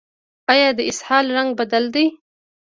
ایا د اسهال رنګ بدل دی؟